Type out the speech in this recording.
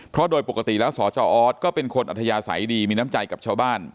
เพราะโดยปกติแล้วสจออสก็เป็นคนอัธยาศัยดีมีน้ำใจกับชาวบ้าน